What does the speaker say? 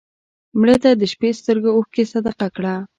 مړه ته د شپه سترګو اوښکې صدقه کړه